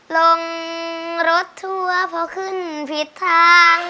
ลงรถทัวร์พอขึ้นผิดทาง